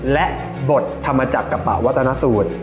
และบททำมาจากกระเป๋าวัตนสูตร